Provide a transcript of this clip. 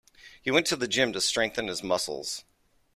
He went to gym to strengthen his muscles.